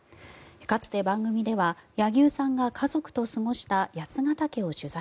かつて番組では柳生さんが家族と過ごした八ケ岳を取材。